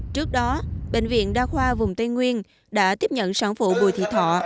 trước đó bệnh viện đa khoa vùng tây nguyên đã tiếp nhận sản phụ bùi thị thọ